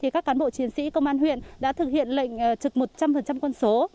các cán bộ chiến sĩ công an huyện đã thực hiện lệnh trực một trăm linh quân số